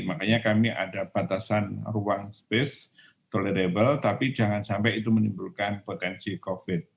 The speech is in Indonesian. makanya kami ada batasan ruang space tolerable tapi jangan sampai itu menimbulkan potensi covid